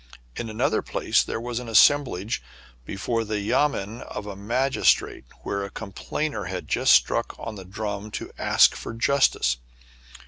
In another place there was an assemblage before the yamen of a magis trate, where a complainer had just struck on the "drum" to ask for justice.